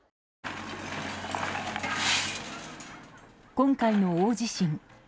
今回の大地震。